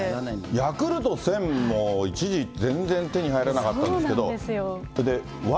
ヤクルト１０００も一時、全然手に入らなかったんですけど。